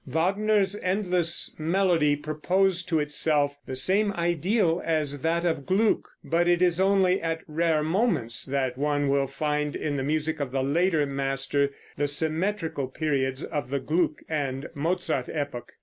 Wagner's endless melody proposed to itself the same ideal as that of Gluck, but it is only at rare moments that one will find in the music of the later master the symmetrical periods of the Gluck and Mozart epoch.